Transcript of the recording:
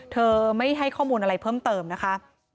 เธอไม่ให้ข้อมูลอะไรเพิ่มเติมนะคะ